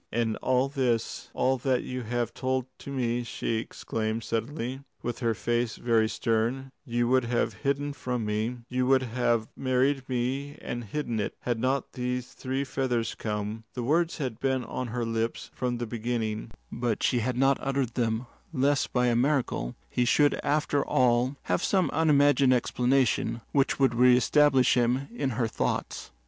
"And all this all that you have told to me," she exclaimed suddenly, with her face very stern, "you would have hidden from me? You would have married me and hidden it, had not these three feathers come?" The words had been on her lips from the beginning, but she had not uttered them lest by a miracle he should after all have some unimagined explanation which would reestablish him in her thoughts.